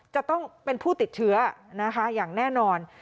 จะต้องเป็นผู้ติดเชื้อนะคะอย่างแน่นอน